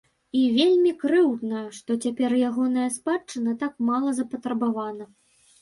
І вельмі крыўдна, што цяпер ягоная спадчына так мала запатрабавана.